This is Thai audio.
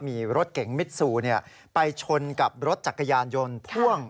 มีรถเก๋งมิดซูไปชนกับรถจักรยานยนต์พ่วง